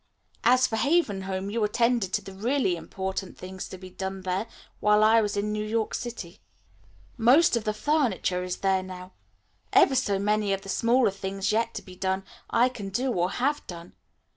As for Haven Home, you attended to the really important things to be done there while I was in New York City. Most of the furniture is there now. Ever so many of the smaller things yet to be done, I can do or have done.